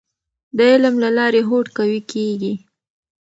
د علم له لارې هوډ قوي کیږي.